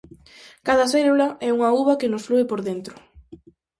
Cada célula é unha uva que nos flúe por dentro.